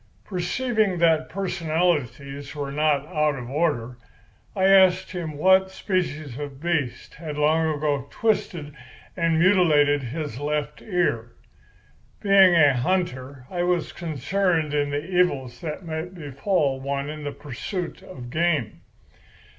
Perceiving that personalities were not out of order, I asked him what species of beast had long ago twisted and mutilated his left ear. Being a hunter, I was concerned in the evils that may befall one in the pursuit of game.